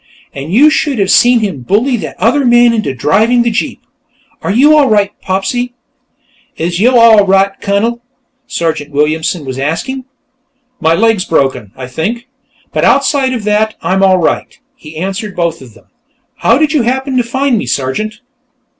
And you should have seen him bully that other man into driving the jeep. Are you all right, Popsy?" "Is yo' all right, Cunnel?" Sergeant Williamson was asking. "My leg's broken, I think, but outside of that I'm all right," he answered both of them. "How did you happen to find me, Sergeant?"